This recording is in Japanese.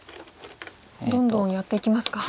どんどんやっていきますか。